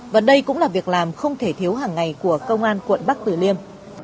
và đây cũng là việc làm không thể thiếu hàng ngày của công an quận bắc tử liêm